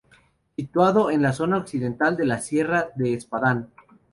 Situado en la zona occidental de la Sierra de Espadán.